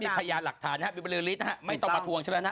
มีพยานหลักฐานมีบริษฐศน่ะฮะไม่ต้องมาทวงเฉลี่ยล่ะนะ